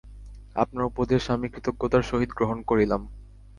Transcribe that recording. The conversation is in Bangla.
আপনার উপদেশ আমি কৃতজ্ঞতার সহিত গ্রহণ করিলাম।